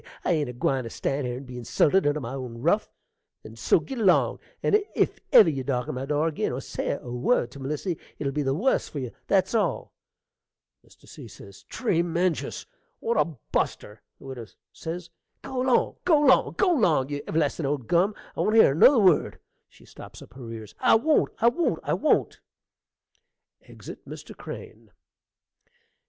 I ain't a gwine to stan' here and be insulted under my own ruff; and so git along; and if ever you darken my door ag'in, or say a word to Melissy, it'll be the wuss for you, that's all. Mr. C. Treemenjous! What a buster! Widow Go 'long, go 'long, go long, you everlastin' old gum! I won't hear another word (stops her ears). I won't. I won't. I won't. (Exit Mr. Crane.)